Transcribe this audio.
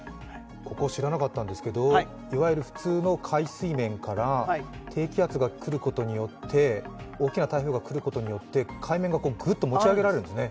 ここ知らなかったんですけど、いわゆる普通の海水面から低気圧が来ることによって大きな台風が来ることによって海面がグッと持ち上げられるんですね。